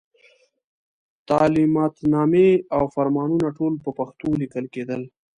تعلماتنامې او فرمانونه ټول په پښتو لیکل کېدل.